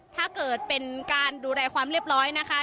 ถ้าเกิดเป็นการดูแลความเรียบร้อยนะคะ